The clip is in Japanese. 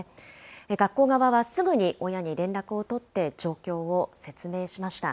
学校側はすぐに親に連絡を取って状況を説明しました。